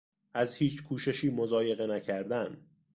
از هیچ کوششی مضایقه نکردن